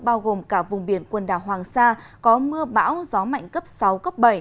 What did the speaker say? bao gồm cả vùng biển quần đảo hoàng sa có mưa bão gió mạnh cấp sáu cấp bảy